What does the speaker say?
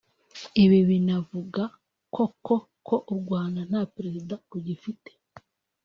Ibi binavuga koko ko u Rwanda nta President rugifite